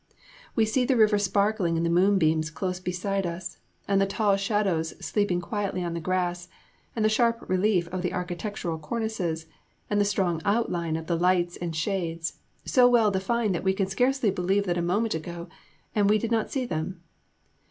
We see the river sparkling in the moonbeams close beside us, and the tall shadows sleeping quietly on the grass, and the sharp relief of the architectural cornices, and the strong outline of the lights and shades, so well defined that we can scarcely believe that a moment ago, and we did not see them.